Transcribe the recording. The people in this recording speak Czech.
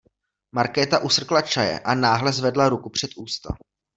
Markéta usrkla čaje a náhle zvedla ruku před ústa.